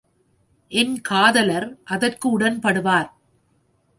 என் காதலர் அதற்கு உடன்படுவார்.